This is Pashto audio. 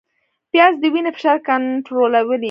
پیاز د وینې فشار کنټرولوي